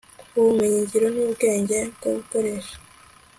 ubumenyi ngiro nubwenge bwo gukoresha